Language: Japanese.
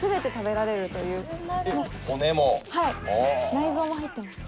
内臓も入ってます。